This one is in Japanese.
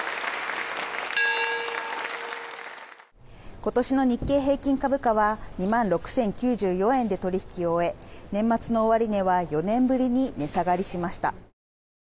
今年の日経平均株価は２万６０９４円で取引を終え年末の終値は４年ぶりに値下がりしました。